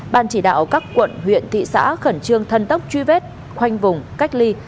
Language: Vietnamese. ban chỉ đạo các quận huyện thị xã khẩn trương thân tốc truy vết khoanh vùng cách ly